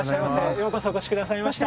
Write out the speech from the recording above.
ようこそお越しくださいました。